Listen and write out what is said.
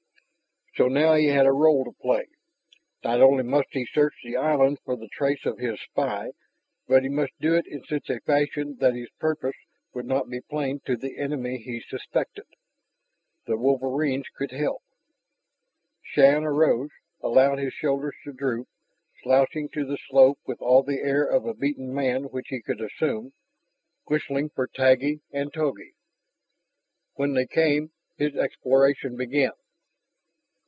So now he had to play a role. Not only must he search the island for the trace of his spy, but he must do it in such a fashion that his purpose would not be plain to the enemy he suspected. The wolverines could help. Shann arose, allowed his shoulders to droop, slouching to the slope with all the air of a beaten man which he could assume, whistling for Taggi and Togi. When they came, his exploration began.